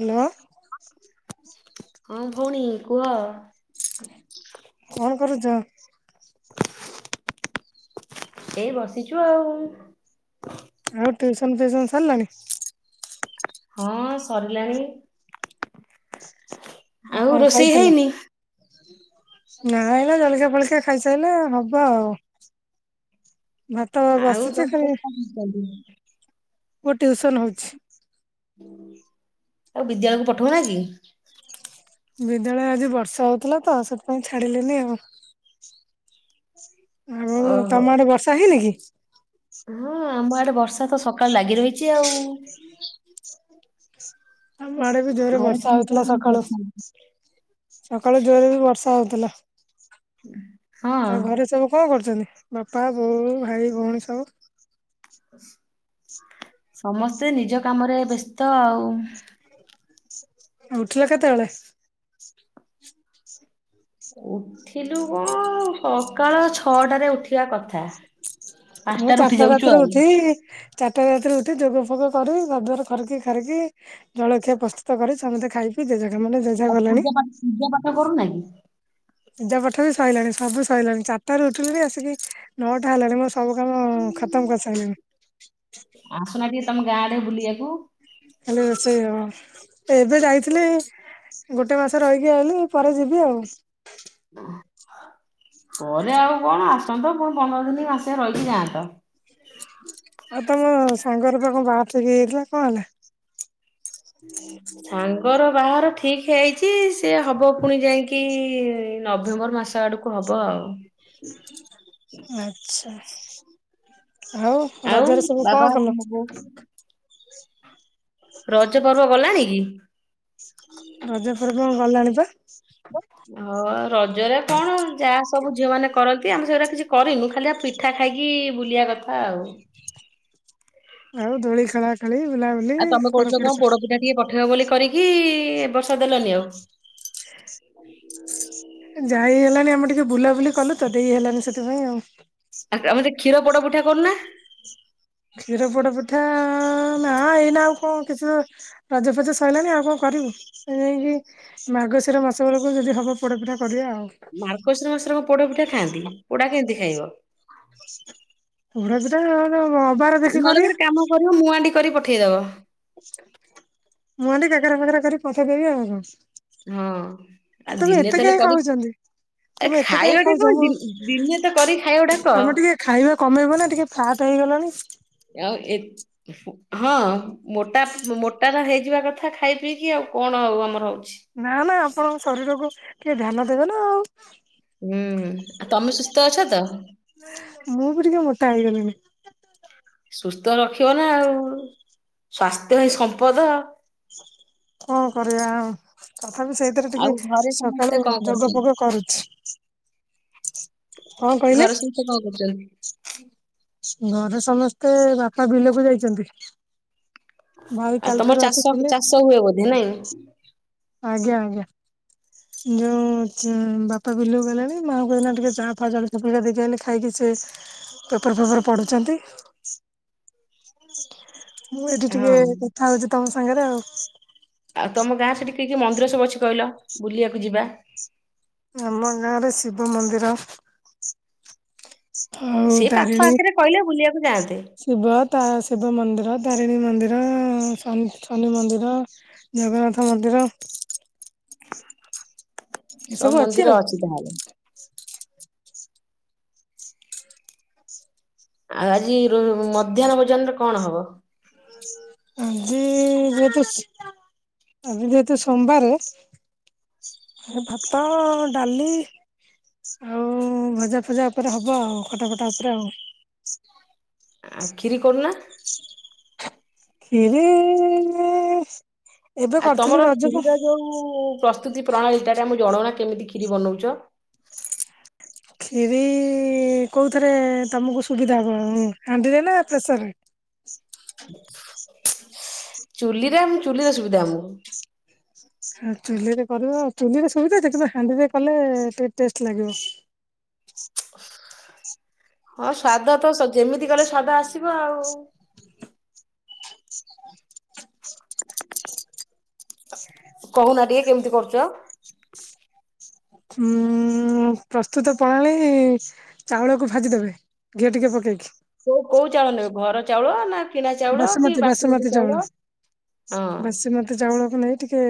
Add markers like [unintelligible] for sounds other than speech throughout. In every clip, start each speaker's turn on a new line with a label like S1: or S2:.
S1: Hello.
S2: ହଁ ଭଉଣୀ କୁହ?
S1: କଣ କରୁଚ?
S2: ଏଇ ବସିଛୁ ଆଉ।
S1: ଆଉ ଟ୍ୟୁସନ୍‌ ଫିଉସନ୍‌ ସାରଲାଣି।
S2: ହଁ ସରିଲାଣି।
S1: [unintelligible]
S2: ଆଉ
S1: କଣ
S2: ରୋଷେଇ
S1: ଖାଇଥିଲ?
S2: ହେଇନି
S1: ନାଇ ବା ଜଳଖିଆ ଫଳିଖିଆ ଖାଇସାରିଲେ ହବ ଆଉ। ଭାତ
S2: ଆଉ
S1: ବସିଛି
S2: ତମ
S1: ଖାଲି
S2: ପୁଅ କଣ [unintelligible]
S1: ପୁଅ ଟିଉସନ୍‌ ହଉଛି।
S2: ତାକୁ ବିଦ୍ୟାଳୟକୁ ପଠଉନାଇକି?
S1: ବିଦ୍ୟାଳୟ ଆଜି ବର୍ଷା ହଉଥିଲା ତ ସେଥିପାଇଁ ଛାଡିଲିନି ଆଉ। ଆଉ ତମ ଆଡେ ବର୍ଷା ହେଇନି କି?
S2: ହୁଁ ଆମ ଆଡେ ବର୍ଷା ତ ସକାଳୁ ଲାଗି ରହିଛି ଆଉ।
S1: ଆମ ଆଡେ ବି ଜୋରରେ
S2: ଘରେ
S1: ବର୍ଷା
S2: ସମସ୍ତେ
S1: ହଉଥିଲା
S2: କେମିତି
S1: ସକାଳୁ।
S2: ଅଛନ୍ତି?
S1: ସକାଳୁ ଜୋରରେ ବି ବର୍ଷା ହଉଥିଲା।
S2: ହଁ
S1: ଆଉ ଘରେ ସବୁ କଣ କରୁଛନ୍ତି? ବାପା, ବୋଉ, ଭାଇ, ଭଉଣୀ ସବୁ?
S2: ସମସ୍ତେ ନିଜ କାମରେ ବ୍ୟସ୍ତ ଆଉ।
S1: ଉଠିଲ କେତେ ବେଳେ?
S2: ଉଠିଲୁ କଣ? ସକାଳ ଛଅଟାରେ ଉଠିବା କଥା।
S1: ମୁଁ
S2: ପାଞ୍ଚଟାରେ ଉଠି
S1: ଚାରଟା
S2: ଯାଉଛୁ
S1: ରାତିରୁ
S2: ଆଉ
S1: ଉଠି ଚାରଟା ରାତିରୁ ଉଠି ଯୋଗ ଫୋଗ କରି, ଘରଦ୍ଵାର କରିକି ଖରିକି ଜଳଖିଆ ପ୍ରସ୍ତୁତ କରି, ସମସ୍ତେ ଖାଇ କି ଜେ ଜାହା କାମରେ ଯାଇଛନ୍ତି।
S2: ଆଉ ପୂଜା ପାଠ ପୂଜା ପାଠ କରୁନାହିଁକି?
S1: ପୂଜା ପାଠ ବି ସଇଲାଣି ସବୁ ସଇଲାଣି ଚାରଟା ରୁ ଉଠିଲିଣି ଆସିକି ନଅଟା ହେଲାଣି ମ ସବୁ କାମ ଖତମ୍ କରିସାରିଲିଣି।
S2: ଆସୁନା ଟିକେ ତମ ଗାଁ ଆଡେ ବୁଲିବାକୁ।
S1: ହେଲେ ରୋଷେଇ ହେବ। ଏବେ ଯାଇଥିଲି। ଗୋଟେ ମାସ ରହିକି ଆଇଲି। ପରେ ଯିବି ଆଉ।
S2: ଆଃ ପରେ ଆଉ କଣ? ଆସନ୍ତ କଣ ପନ୍ଦର ଦିନ ମାସେ ରହିକି ଯାଆନ୍ତ।
S1: [inaudible] ଆଉ ତମ ସାଙ୍ଗର ତ କଣ ବାହା ଠିକ୍ ହେଇଯାଇଥିଲା କଣ ହେଲା? [inaudible]
S2: ସାଙ୍ଗର ବାହାର ଠିକ ହେଇଛି ସେ ହବ ପୁଣି ଯାଇକି ନଭେମ୍ବର ମାସ ଆଡ କୁ ହବ ଆଉ।
S1: ଆଚ୍ଛା। ଆଉ ରଜରେ ସବୁ କଣ କଲ?
S2: ବୋ ରଜ ପର୍ବ ଗଲାଣି କି?
S1: ରଜପର୍ବ ଆଉ ଗଲାଣି ପା।
S2: ହଁ ରଜରେ କଣ ଯାହା ସବୁ ଝିଅ ମାନେ କରନ୍ତି ଆମେ ସେଗୁଡ଼ା କିଛି କରିନୁ ଖାଲି ଆ ପି ପିଠା ଖାଇକି ବୁଲିବା କଥା ଆଉ‌।
S1: ଆଉ ଦୋଳି ଖେଳା ଖେଳି, ବଲାବୁଲି
S2: ଆଉ ତମେ
S1: କୁଆଡେ
S2: କହୁଥିଲ କଣ
S1: କୁଆଡେ ସା
S2: ପୋଡପିଠା ଟିକେ ପଠେଇବ ବୋଲି କରିକି ଏବ ବର୍ଷ ଦେଲନି ଆଉ‌।
S1: ଯାଇ ହେଲାନି ଆମେ ଟିକେ ବୁଲାବୁଲି କଲୁ ତ ଦେଇ ହେଲାନି ସେଥିପାଇଁ ଆଉ।
S2: ଆ ଆମେ ସେ କ୍ଷୀର ପୋଡ଼ ପିଠା କରୁନା‌।
S1: କ୍ଷୀର ପୋଡ ପିଠା ନାଁ ଏଇନା ଆଉ କଣ କିଛି ରଜ ଫଜ ସଇଲାଣି ଆଉ କଣ କରିବୁ? ସେ [unintelligible] ମାର୍ଗଶିର ମାସ ବେଳକୁ ଯଦି ହବ ପୋଡପିଠା କରିବା ଆଉ‌।
S2: ମାର୍ଗଶିର ମାସର ପୋଡ ପିଠା ଖାଆନ୍ତି ପୋଡା କେମିତି ଖାଇବ?
S1: ପୋଡ ପିଠା [unintelligible]
S2: ନହେଲେ ଗୋଟେ କାମ କରିବ ମୁଁ ଆଣ୍ଡି କରି ପଠେଇଦବ।
S1: ମୁଁ ଆଣ୍ଡି କାକରା ଫାକରା କରିକି ପଠେଇଦବି ଆଉ କଣ?
S2: ହଁ ଆଉ
S1: ତମେ
S2: ଦିନେ
S1: ଏତେ
S2: ତାହେଲେ
S1: କାହିଁ
S2: କରି
S1: ଖାଉଛନ୍ତି?
S2: ଏ
S1: ତମେ ଏତେ କାହିଁ
S2: ଖାଇବାଟା
S1: ଖାଉଛ ମୁଁ
S2: କଣ ଦିନେ ତ କରି ଖାଇବାକୁ ଡାକ?
S1: ତମେ ଟିକେ ଖାଇବା କମେଇବ ନା ଟିକେ ଫାଟ ହେଇଗଲଣି।
S2: ଆଉ ଏ ହଁ ମୋଟା ମୋଟା ଟା ହେଇଯିବା କଥା ଖାଇ ପିଇକି ଆଉ କଣ ହଉ ଆମର ହଉଛି।
S1: ନା ନା ଆପଣଙ୍କ ଶରୀରକୁ ଟିକିଏ ଧ୍ୟାନ ଦେବେ ନା ଆଉ
S2: ହୁଁ ଆଉ ତମେ ସୁ
S1: ମୁଁ ବି ଟିକିଏ ମୋଟା ହେଇଗଲିଣି।
S2: ସୁସ୍ଥ ରଖିବ ନା ଆଉ ସ୍ଵାସ୍ଥ୍ୟ ହିଁ ସମ୍ପଦ।
S1: କରିବା ଆଉ ତଥାପି ସେଇ ସେଇଥିରେ
S2: ଆଉ
S1: ଟିକିଏ
S2: ଘରେ ସମସ୍ତେ
S1: ସକାଳୁ
S2: କଣ
S1: ଯୋଗ
S2: କରୁଛନ୍ତି
S1: ଫୋଗ କରୁଛି। କଣ କହିଲେ?
S2: ଘର ସମସ୍ତେ କଣ କରୁଛନ୍ତି?
S1: ଘରେ ସମସ୍ତେ ବାପା ବିଲକୁ ଯାଇଛନ୍ତି। ଭାଇ
S2: ଆଉ
S1: କାଲି
S2: ତମର
S1: ଠାରୁ
S2: ଚାଷ
S1: ଆସିଥିଲେ
S2: ଚାଷ ହୁଏ ବୋଧେ ନାଇଁ
S1: ଆଜ୍ଞା ଆଜ୍ଞା ଯେଉଁ ବାପା ବିଲକୁ ଗଲାଣି ମାଆ ଙ୍କୁ ଏଇନା ଟିକିଏ ଚା ଫା ଜଲ ଫଲିକା ଦେଇକିଆଇଲି ଖାଇକି ସେ ପେପର୍ ଫେପର୍ ପଢ଼ୁଛନ୍ତି। ମୁଁ ଏଇଠି ଟିକେ
S2: ହଁ।
S1: କଥା ହଉଛି ତମ ସାଙ୍ଗରେ ଆଉ
S2: ଆଉ ତମ ଗାଁ ସେଠି କି କି ମନ୍ଦିର ସବୁ ଅଛି କହିଲ ବୁଲିବାକୁ ଯିବା‌?
S1: ଆମ ଗାଁରେ ଶିବ ମନ୍ଦିର ଆଉ
S2: ସେ ପାଖ
S1: ତାରିଣୀ
S2: ଆଖରେ କହିଲେ ବୁଲିବାକୁ ଯାଆନ୍ତେ‌।
S1: ଶିବ ତା ଶିବ ମନ୍ଦିର ତାରିଣୀ ମନ୍ଦିର ଶନି ମନ୍ଦିର‌ ଜଗନ୍ନାଥ ମନ୍ଦିର ଏସବୁ ଅଛି ଆଉ।
S2: ହାଲୋ। ଆଉ ଆଜି ମଧ୍ୟାହ୍ନ ଭୋଜନରେ କଣ ହବ‌?
S1: ଆଜି ଯେହେତୁ ଆଜି ଯେହେତୁ ସୋମବାରେ ଏ ଭାତ ଡାଲି ଆଉ ଭଜା ଫଜା ଉପରେ ହବ ଆଉ ଖଟା ଫଟା ଉପରେ ଆଉ‌
S2: ଆଉ କ୍ଷୀରି କରୁନା।
S1: ହ ଖିରି ଇଏ
S2: ଆଉ ତମର କ୍ଷୀରିର ଯୋଉ ପ୍ରସ୍ତୁତି ପ୍ରଣାଳୀ ତାଟା ଆମକୁ ଜଣାଉନା କେମିତି କ୍ଷୀରି ବନଉଛ?
S1: କ୍ଷିରି କୋଉଥରେ ତମକୁ ସୁବିଧା କଣ ହାଣ୍ଡିରେ ନା ପ୍ରେସରରେ?
S2: ଚୁଲିରେ ଆମ ଚୁଲିର ସୁବିଧା ଆମକୁ।
S1: ଚୁଲିରେ କରିବଉ ଚୁଲିରେ ସୁବିଧା ଯେ କିନ୍ତୁ ହାଣ୍ଡିରେ କଲେ ଟିକେ ଟେଷ୍ଟ ଲାଗିବ।
S2: ହଁ ସ୍ୱାଦ ତ ଯେମିତି କଲେ ସ୍ୱାଦ ଆସିବ ଆଉ କହୁନା ଟିକେ କେମିତି କରୁଛ?
S1: ହୁଁ ପ୍ରସ୍ତୁତ ପ୍ରଣାଳୀ ଚାଉଳକୁ ଭାଜିଦେବେ ଘିଅ ଟିକେ ପକେଇକି।
S2: କୋଉ କୋଉ ଚାଉଳ ନେବେ ଘର ଚାଉଳ ନା କିଣା ଚାଉଳ କି
S1: ବାସୁମତୀ ବାସୁମତୀ ଚାଉଳ
S2: ହଁ
S1: ବାସୁମତୀ ଚାଉଳକୁ ନେଇ ଟିକେ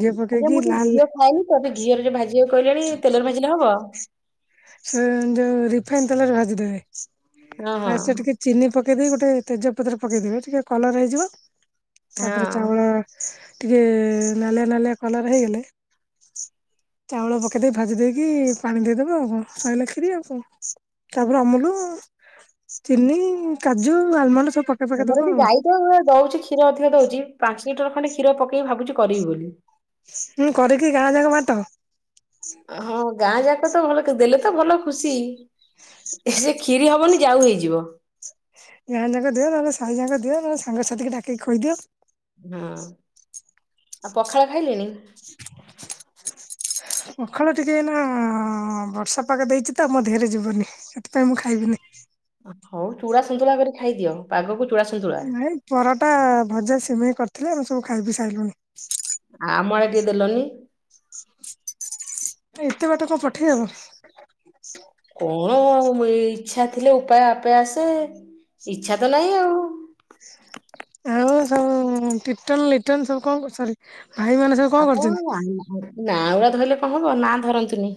S1: ଘିଅ
S2: ଆଜ୍ଞା
S1: ପକେଇକି
S2: ମୁଁ ଟିକେ
S1: ଲାଲ
S2: ଘିଅ ଖାଏନି ତ ଏବେ ଘିଅରେ ଯ ଭାଜିବାକୁ କହିଲାଣି ତେଲରେ ଭାଜିଲେ ହବ।
S1: ସେ ଯୋଉ ରିଫାଇନ ତେଲରେ ଭାଜିଦବେ
S2: ହଁ ହଁ
S1: ତା ସହ ଟିକେ ଚିନି ପକେଇଦେଇ ଗୋଟେ ତେଜପତ୍ର ପକେଇଦେବେ ଟିକେ କଲର ହେଇଯିବ ତାପରେ
S2: ହଁ।
S1: ଚାଉଳ ଟିକେ ନାଲିଆ ନାଲିଆ କଲର ହେଇଗଲେ। ଚାଉଳ ପକେଇ ଦେଇକି ଭାଜି ଦେଇକି ପାଣି ଦେଇଦବ ଆଉ କଣ? ସଇଲା କ୍ଷୀରି ଆଉ କଣ ତାପରେ ଅମୁଲ ଚିନି କାଜୁ ଆଲମଣ୍ଡ ସ
S2: ଆମର ବି ଗାଈ ତ ଦଉଚି କ୍ଷୀର ଅଧିକା ଦଉଚି। ପାଞ୍ଚ ଲିଟର ଖଣ୍ଡେ କ୍ଷୀର ପକେଇ ଭାବୁଚି କରିବି ବୋଲି।
S1: ହୁଁ କରିକିି ଗାଁ ଯାକ ବାଟ।
S2: ହଁ ଗାଁ ଯାକ ତ ଭଲ ଦେଲେ ତ ଭଲ ଖୁସି। ଏ ସେ କ୍ଷୀରି ହବନି ଯାଉ ହେଇଯିବ।
S1: ଗାଁ ଯାକ ଦିଅ ନହେଲେ ସାହି ଯାକ ଦିଅ ନହେଲେ ସାଙ୍ଗସାଥିୀକି ଡକେଇକି ଖୁଏଇ ଦିଅ।
S2: ହଁ ଆଉ ପଖାଳ ଖାଇଲେଣି?
S1: [inaudible] ପଖାଳ ଟିକେ ଏଇନା ବର୍ଷା ପାଗ ଦେଇଚି ତ ମୋ ଦେହରେ ଯିବନି। ସେଥିପାଇଁ ମୁଁ ଖାଇବିନି।
S2: ହଉ ଚୁଡା ସୁୁନ୍ତୁଳା କରି ଖାଇଦିଅ ପାଗକୁ ଚୂଡ଼ା ସୁୁନ୍ତୁଳା।
S1: ନାଇଁ ପରଟା ଭଜା ସିମେଇ କରିଥିଲେ। ଆମେ ସବୁ ଖାଇବି ସାରିଲୁଣି।
S2: ଆଉ ଆମ ଆଡେ ଟିକେ ଦେଲନି?
S1: ଏତେ ବାଟ କଣ ପଠେଇହବ?
S2: କଣ ମ ଏଇ ଇଚ୍ଛା ଥିଲେ ଉପାୟ ଆପେ ଆସେ ଇଚ୍ଛା ତ ନାହିଁ ଆଉ।
S1: ଆଉ ସବୁ ଟିଟନ ଲିଟନ ସବୁ କଣ କର ସରି। ଭାଇ ମାନ ସବ୍
S2: ଆପଣ ନା ଗୁଡା ଧରିଲେ କଣ ହବ ନା ଧରନ୍ତୁନି।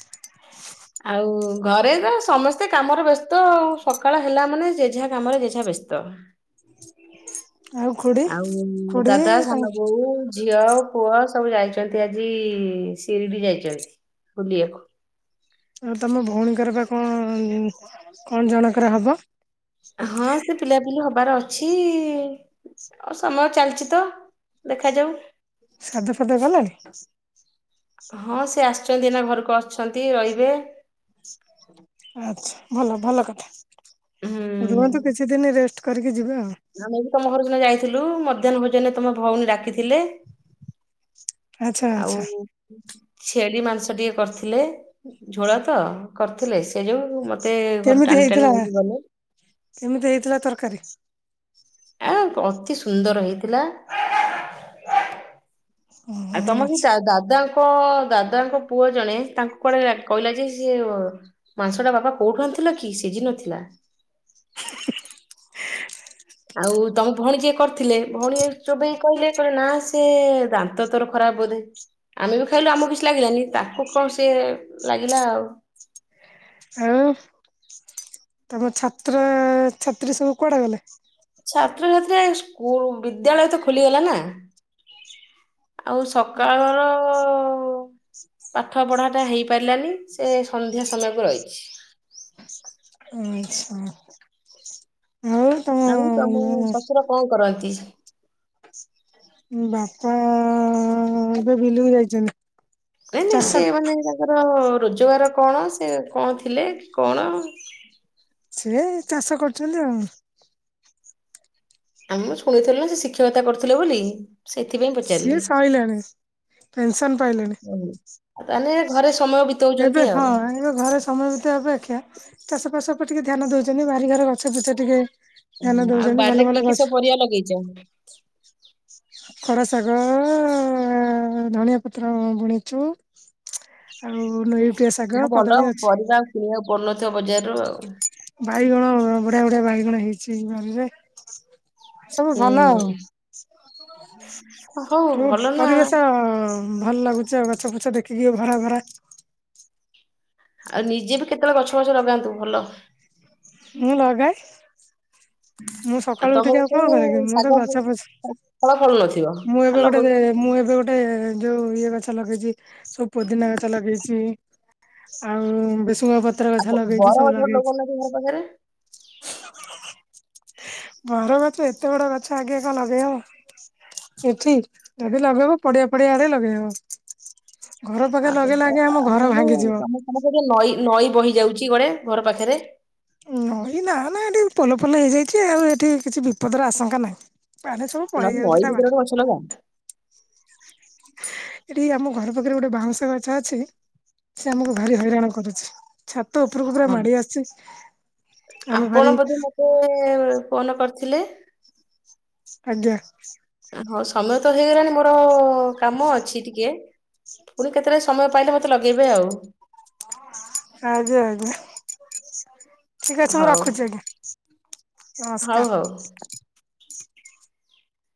S1: [inaudible]
S2: ଆଉ ଘରେ ତ ସମସ୍ତେ କାମରେ ବ୍ୟସ୍ତ। ସକାଳ ହେଲା ମାନେ ଜେ ଯାହା କାମରେ ଜେ ଯାହା ବ୍ୟସ୍ତ। ତ।
S1: [inaudible] ଖୁଡି?
S2: ଆଉ
S1: ଖୁଡି
S2: ଦାଦା ସାନ
S1: ତାଙ୍କ
S2: ବୋଉ ଝିଅ ପୁଅ ସବୁ ଯାଇଛନ୍ତି ଆଜି ଶିରିଡି ଯାଇଚନ୍ତି ବୁଲିବାକୁ।
S1: ଆଉ ତମ ଭଉଣୀଙ୍କର ବା କଣ କଣ ଜଣଙ୍କର ହବ?
S2: ହଁ ସେ ପିଲାପିଲି ହବାର ଅଛି। ଆଉ ସମୟ ଚାଲିଚି ତ ଦେଖାଯାଉ।
S1: ସାଧା ଫାଦ ଗଲାଣି?
S2: ହଁ ସେ ଆସିଚନ୍ତି ଏଇନା ଘରକୁ ଆସିଚନ୍ତି ରହିବେ।
S1: ଆଛା ଭଲ ଭଲ କଥା।
S2: ହୁଁ
S1: ରୁହନ୍ତୁ କିଛି ଦିନ ରେଷ୍ଟ କରିକି ଯିବେ ଆଉ।
S2: ଆମେ ବି ତମ ଘର ଜଣେ ଯାଇଥିଲୁ। ମଧ୍ୟାହ୍ନ ଭୋଜନ ତମ ଭଉଣୀ ଡାକିଥିଲେ।
S1: ଆଚ୍ଛା
S2: ଆଉ
S1: ଆଚ୍ଛା।
S2: ଛେଳି ମାଂସ ଟିକେ କରିଥିଲେ। ଝୋଳ ତ କରିଥିଲେ ସେ ଯୋଉ ମ ତେ ଘରୁ
S1: କେମିତି
S2: ଟାଣି ଟାଣି
S1: ହେଇଥିଲା
S2: ନେଇକି ଗଲେ।
S1: କେମିତି ହେଇଥିଲା ତରକାରୀ।
S2: ଅ ଅତି ସୁନ୍ଦର ହେଇଥିଲା।
S1: ହଁ।
S2: ଆଉ ତମର ଯ ଦାଦା ଦାଦାଙ୍କ ପୁଅ ଜଣେ ତାଙ୍କୁ କୁଆଡେ କହିଲା ଯେ ସିଏ ମାଂସଟା ବାପା କୋଉଠି ଆଣି ଥିଲା କି ସିଝିନଥିଲା। ଆଉ ତମ ଭଉଣୀ ଯିଏ କରିଥିଲେ ଭଉଣୀ ଚୋବେଇ କହିଲେ କହିଲେ ନା ସେ ଦାନ୍ତ ତୋର ଖରାପ ବୋଧେ। ଆମେ ବି ଖାଇଲୁ ଆମକୁ କିଛି ଲାଗିଲାନି ତାକୁ କଣ ସେ ଲାଗିଲା ଆଉ।
S1: ଆଉ ତମ ଛାତ୍ର ଛାତ୍ରୀ ସବୁ କୁଆଡେ ଗଲେ?
S2: ଛାତ୍ରଛାତ୍ରୀ ସ୍କୁଲ ବିଦ୍ୟାଳୟ ତ ଖୋଲିଗଲା ନା। ଆଉ ସକାଳର ପାଠ ପଢ଼ାଟା ହେଇପାରିଲାନି। ସେ ସନ୍ଧ୍ୟା ସମୟକୁ ରହିଚି।
S1: ଆଚଛା। [inaudible]
S2: ଆଉ ତମ ଶଶୁର କଁ କରନ୍ତି?
S1: ବାପା ଏବେ ବିଲୁକୁ ଯାଇଚନ୍ତି।
S2: ନାଇଁ ନାଇଁ ସେ ମାନେ ତାଙ୍କର ରୋଜଗାର କଣ ସେ କଣ ଥିଲେ କି କଣ?
S1: ସେ ଚାଷ କରୁଛନ୍ତି ଆଉ‌।
S2: ଆ ମୁଁ ଶୁଣିଥିଲି ନା ସେ ଶିକ୍ଷକତା କରୁଥୁଲେ ବୋଲି ସେଥିପାଇଁ ପଚାରିଲି।
S1: ପେନ୍ସନ୍ ପାଇ‌
S2: ଉଁ ଆ ତାନେ ଘରେ ସମୟ
S1: ଏବେ
S2: ବିତଉଚନ୍ତି ଆଉ।
S1: ହଁ ଏବେ ଘରେ ସମୟ ବିତେଇବା ଅପେକ୍ଷା ଚାଷ ବାସ ଓପରେ ଟିକେ ଧ୍ୟାନ ଦୋଉଚନ୍ତି ବାରିଘର ଗଛ ଫୁଛ ଟିକେ ଧ୍ୟାନ ଦୋଉଚନ୍ତି ଭଲ ଭଲ ଗଛ
S2: ଲଗେଇଚ।
S1: ଖରା ଶାଗ ଧଣିିଆ ପତ୍ର ବୁଣିଚୁ। ଆଉ ନୋଇଟିିଆ ଶାଗ କଦଳୀ ଅଛ୍
S2: କିଣଆକୁ ପଡ଼ୁନଥିବ ବଜାରରୁ ଆଉ।
S1: ବାଇଗଣ ବଢ଼ିଆ ବଢ଼ିଆ ବାଇଗଣ ହେଇଚି ବାରିରେ। ସବୁ
S2: ହୁଁ।
S1: ଭଲ ଆଉ
S2: ହଉ
S1: ରୁ
S2: ଭଲ ନା
S1: ପରିବେଶ ଭଲ ଲାଗୁଚି ଆଉ ଗଛ ଫୁଛ ଦେଖିକି ଭରା ଭରା।
S2: ଆଉ ନିଜେ ବି କେତୋଳେ ଗଛ ଫଛ ଲଗାନ୍ତୁ ଭଲ।
S1: ମୁଁ ଲଗାଏ। ମୁଁ ସକାଳୁ
S2: ତମ
S1: ଉଠିକି ଆଉ
S2: ଗଛରେ
S1: କଣ କରେ କି ମୁଁ
S2: ଶାଗ
S1: ତ ଗଛ ଫଛ
S2: ଫଳ ଫଳୁନଥିବ
S1: ମୁଁ
S2: ଆଉ
S1: ଏବେ ଗୋଟେ
S2: ଲଗଉଥିବ
S1: ମୁଁ ଏବେ ଟେ ଯୋଉ ଇଏ ଗଛ ଲଗେଇଚି ସବୁ ପୋଦିନା ଗଛ ଲଗେଇଚି। ଆଉ ଭେସୁଙ୍ଗା ପତ୍ର ଗଛ
S2: ଆଉ ବର
S1: ଲଗେଇଚି ସବୁ
S2: ଗଛ ଗୋଟେ
S1: ଲଗେଇଚି।
S2: ଲଗଉନାହାନ୍ତି ଘର ପାଖରେ।
S1: ବର ଗଛ ଏତେ ବଡ଼ ଗଛ ଆଗେ କଁ ଲଗେଇ ହବ? ଏଠି ଯଦି ଲଗେଇବ ପଡ଼ିଆ ପଡି଼ଆ ଆଡ଼େ ଲଗେଇବ। ଘର ପାଖେ ଲଗେଇ ଲାଗେଇ ଆମ ଘର ଭାଙ୍ଗିଯିବ।
S2: ଆମ ପଟେ ନଈ ନଈ ବହି ଯାଉଚି ଗୋଟେ ଘର ପାଖେରେ।
S1: ଉଁ ନଈ ନା ନା ଏଠି ପୋଲ ଫୋଲ ହେଇଯାଇଚି ଆଉ ଏଠି କିଛି ବିପଦର ଆଶଙ୍କା ନାହିଁ। ପାଣି ସବୁ ପଳେଇ
S2: ନହେଲେ ନଈ
S1: ଯାଉଚି ତା ବା
S2: ଭିତରେ ଗୋଟେ ଗଛ ଲଗା
S1: ଏଠି ଆମ ଘର ପାଖରେ ଗୋଟେ ବାଉଁଶ ଗଛ ଅଛି ସେ ଆମୁକୁ ଭାରି ହଇରାଣ କରୁଚି। ଛାତ ଉପରୁକୁ ପୁରା
S2: ହଁ
S1: ମାଡ଼ି ଆସଚି।
S2: ଆପଣ ବୋଧେ ମତେ ଫୋନ୍ କରିଥିଲେ?
S1: ଆଜ୍ଞା।
S2: ହଁ ସମୟ ତ ହେଇଗଲାଣି ମୋର କାମ ଅଛି ଟିକେ। ପୁଣି କେତେଳେ ସମୟ ପାଇଲେ ମୋତେ ଲଗେଇବେ ଆଉ।
S1: ଆଜ୍ଞା ଆଜ୍ଞା ଠିକ୍ ଅଛି ମୁଁ
S2: ହଉ
S1: ରଖୁଚି ଆଜ୍ଞା।
S2: ହଉ
S1: ନମସ୍କାର।
S2: ହଉ